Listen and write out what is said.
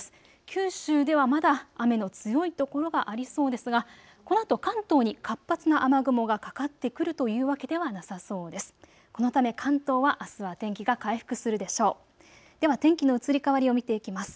九州ではまだ雨の強い所がありそうですが、このあと関東に活発な雨雲がかかってくるというわけではなさそうです。